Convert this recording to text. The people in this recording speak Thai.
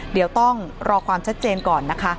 เดี๋ยวต้องรอความชัดเจนก่อนนะคะ